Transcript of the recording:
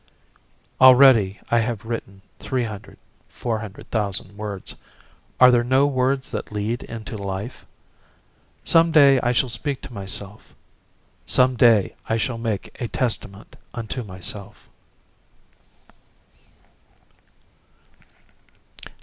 Already I have written three hundred, four hundred thousand words. Are there no words that lead into life? Some day I shall speak to myself. Some day I shall make a testament unto myself.